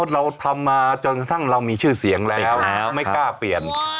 เราทำมาจนกระทั่งเรามีชื่อเสียงแล้วไม่กล้าเปลี่ยน